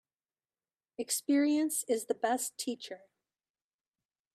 Experience is the best teacher.